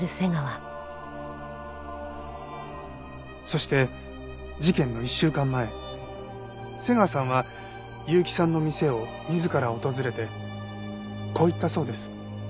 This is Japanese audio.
そして事件の１週間前瀬川さんは結城さんの店を自ら訪れてこう言ったそうです。